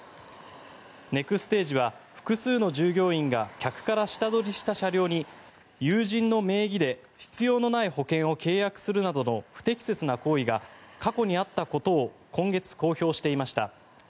ネクステージは複数の従業員が客から下取りした車両に友人の名義で必要のない保険を契約するなどの不適切な行為が過去にあったことを今月、公表していました。